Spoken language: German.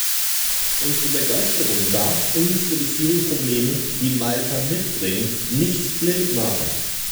Unsere Begeisterung darf uns für die vielen Probleme, die Malta mitbringt, nicht blind machen.